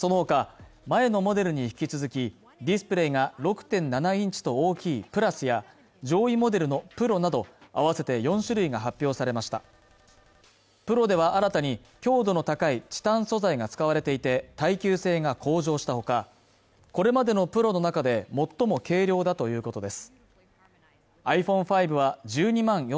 そのほか前のモデルに引き続きディスプレイが６．７インチと大きいＰｌｕｓや上位モデルのＰｒｏなど合わせて４種類が発表されましたＰｒｏでは新たに強度の高いチタン素材が使われていて耐久性が向上したほかこれまでのプロの中で最も軽量だということです